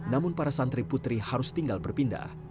namun para santri putri harus tinggal berpindah